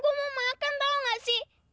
gua mau makan tau nggak sih